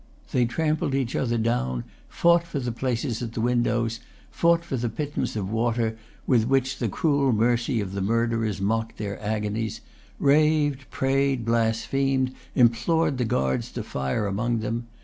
They trampled each other down, fought for the places at the windows, fought for the pittance of water with which the cruel mercy of the murderers mocked their agonies, raved, prayed, blasphemed, implored the guards to fire among them.